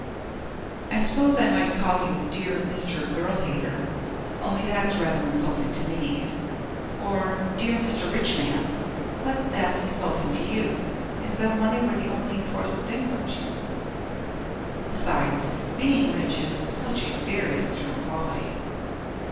I suppose I might call you Dear Mr. Girl Hater. Only that's rather insulting to me. Or Dear Mr. Rich Man, but that's insulting to you, as though money were the only important thing about you. Besides, being rich is such a very external quality.